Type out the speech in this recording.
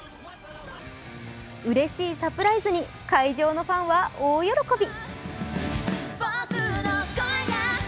うれしいサプライズに会場のファンは大喜び。